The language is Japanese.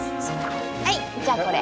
はいじゃあこれ。